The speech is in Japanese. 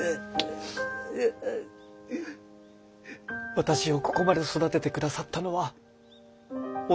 私をここまで育ててくださったのはおじい様です。